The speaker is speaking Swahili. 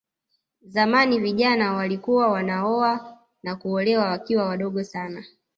Zamani vijana walikuwa wanaoa na kuolewa wakiwa wadogo sana